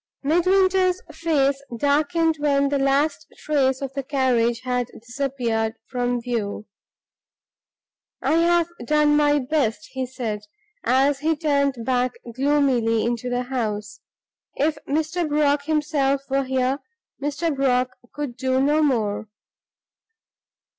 Midwinter's face darkened when the last trace of the carriage had disappeared from view. "I have done my best," he said, as he turned back gloomily into the house "If Mr. Brock himself were here, Mr. Brock could do no more!"